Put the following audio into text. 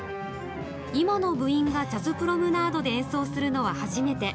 今の部員がジャズプロムナードで演奏するのは初めて。